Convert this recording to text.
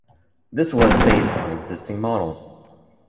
This was based on existing models.